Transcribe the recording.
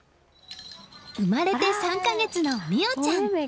生まれて３か月の好桜ちゃん。